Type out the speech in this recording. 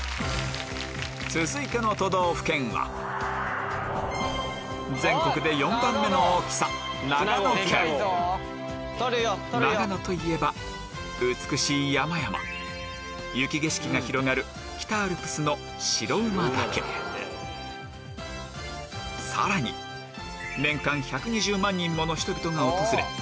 続いての都道府県は長野といえば美しい山々雪景色が広がる北アルプスのさらに年間１２０万人もの人々が訪れ